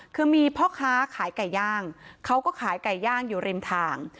คือมีพ่อค้าขายไก่ย่างเขาก็ขายไก่ย่างอยู่ริมทาง